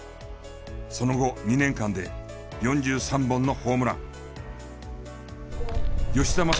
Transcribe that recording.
その後２年間で４３本のホームラン。